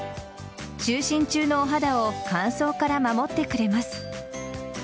就寝中のお肌を乾燥から守ってくれます。